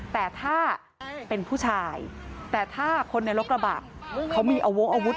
แต่ถ้าเป็นผู้ชายแต่ถ้าคนในรถกระบะเขามีอาวงอาวุธ